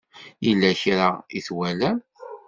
Yella kra i twalam?